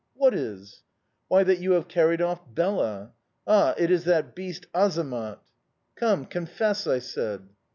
"'What is?' "'Why, that you have carried off Bela... Ah, it is that beast Azamat!... Come, confess!' I said.